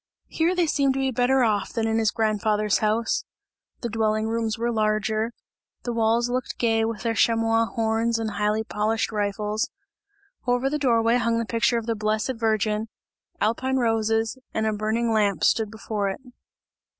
Here, they seemed to be better off, than in his grandfather's house; the dwelling rooms were larger, the walls looked gay with their chamois horns and highly polished rifles; over the door way hung the picture of the blessed Virgin; alpine roses and a burning lamp stood before it.